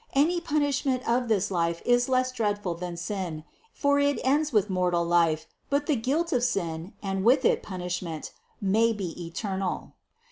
Any punishment of this life is less dreadful than sin ; for it ends with mortal life, but the guilt of sin, and with it punishment, may be eternal.